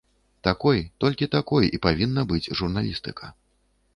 Такой, толькі такой і павінна быць журналістыка.